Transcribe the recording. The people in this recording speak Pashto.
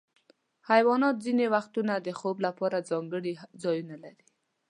حیوانات ځینې وختونه د خوب لپاره ځانګړي ځایونه لري.